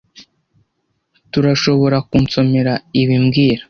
Turashoborakunsomera ibi mbwira